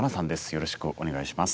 よろしくお願いします。